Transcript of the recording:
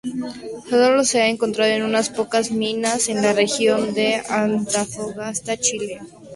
Solo se ha encontrado en unas pocas minas en la región de Antofagasta, Chile.